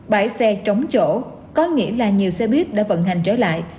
bãi xe trống chỗ có nghĩa là nhiều xe buýt đã vận hành trở lại